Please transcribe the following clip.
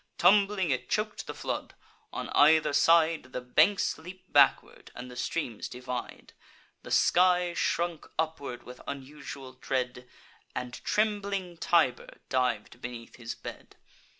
Tumbling, it chok'd the flood: on either side The banks leap backward, and the streams divide; The sky shrunk upward with unusual dread, And trembling Tiber div'd beneath his bed.